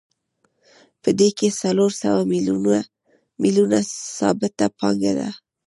په دې کې څلور سوه میلیونه ثابته پانګه ده